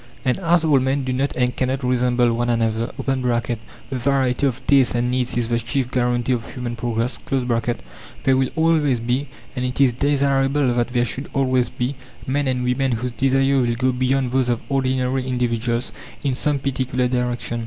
And as all men do not and cannot resemble one another (the variety of tastes and needs is the chief guarantee of human progress) there will always be, and it is desirable that there should always be, men and women whose desire will go beyond those of ordinary individuals in some particular direction.